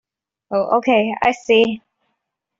Oh okay, I see.